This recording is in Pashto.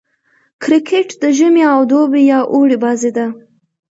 کرکټ د ژمي او دوبي يا اوړي بازي ده.